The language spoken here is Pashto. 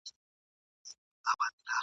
ملیاره ړوند یې که په پښو شل یې ..